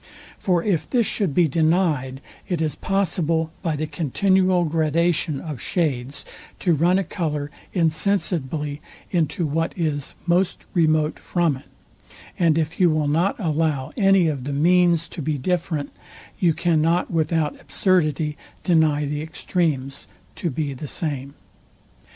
For if this should be denied, it is possible, by the continual gradation of shades, to run a colour insensibly into what is most remote from it; and if you will not allow any of the means to be different, you cannot without absurdity deny the extremes to be the same.